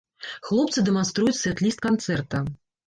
Хлопцы дэманструюць сэт-ліст канцэрта.